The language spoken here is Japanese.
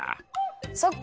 そっか。